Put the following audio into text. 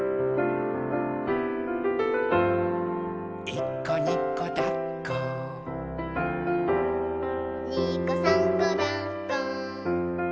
「いっこにこだっこ」「にこさんこだっこ」